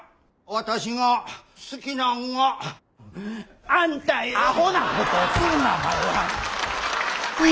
私が好きなんはあんたや。